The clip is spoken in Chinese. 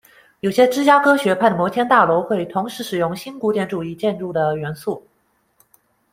有些芝加哥学派的摩天大楼会同时使用新古典主义建筑的元素。